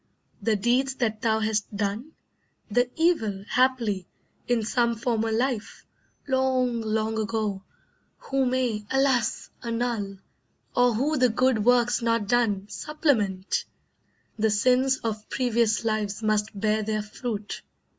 The deeds that thou hast done, The evil, haply, in some former life, Long, long ago, who may alas! annul, Or who the good works not done, supplement! The sins of previous lives must bear their fruit.